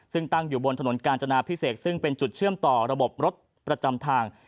ซึ่งตั้งอยู่บนถนนกาญจนาพิเศษซึ่งเป็นจุดเชื่อมต่อระบบรถประจำทาง